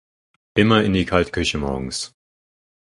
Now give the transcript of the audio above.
Immer in die kalte Küche morgens!